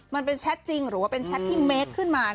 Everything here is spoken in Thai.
มันเป็นแชทจริงหรือว่าเป็นแชทที่เมคขึ้นมา